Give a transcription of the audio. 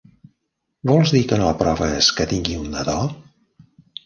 Vols dir que no aproves que tingui un nadó?